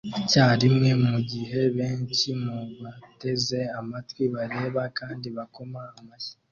icyarimwe mugihe benshi mubateze amatwi bareba kandi bakoma amashyi